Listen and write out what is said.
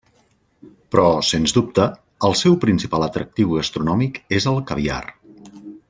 Però, sens dubte, el seu principal atractiu gastronòmic és el caviar.